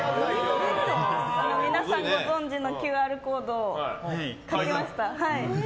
皆さんご存じのＱＲコードを書きました。